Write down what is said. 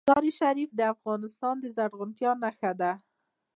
مزارشریف د افغانستان د زرغونتیا نښه ده.